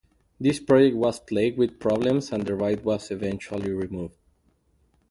This project was plagued with problems and the ride was eventually removed.